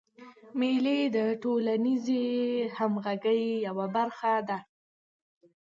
مېلې د ټولنیزي همږغۍ یوه برخه ده.